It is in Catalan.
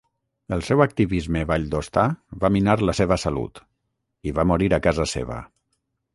El seu activisme valldostà va minar la seva salut, i va morir a casa seva.